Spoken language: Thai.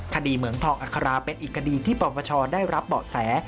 เหมืองทองอัคราเป็นอีกคดีที่ปปชได้รับเบาะแส